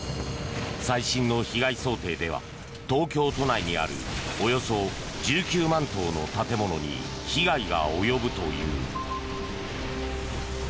最新の被害想定では東京都内にあるおよそ１９万棟の建物に被害が及ぶという。